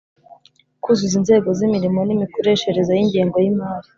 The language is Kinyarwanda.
Kuzuza inzego z imirimo n imikoreshereze y ingengo y imari